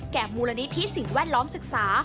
มูลนิธิสิ่งแวดล้อมศึกษา